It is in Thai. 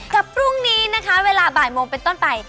กับพรุ่งนี้นะคะเวลาบ่ายโมงเป็นต้นไป